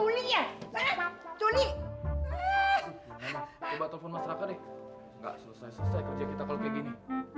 coba coba coba telfon mas raka deh gak selesai selesai kerja kita kalau kayak gini